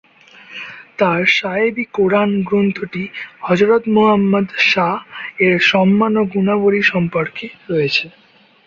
তাঁর "সাহেব ই কোরআন" গ্রন্থটি হযরত মুহাম্মদ সাঃ এর সম্মান ও গুণাবলী সম্পর্কে রয়েছে।